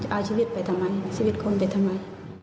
เอาชีวิตไปทำไมชีวิตคนไปทำไม